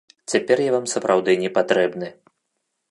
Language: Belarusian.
Цяпер я вам сапраўды не патрэбны.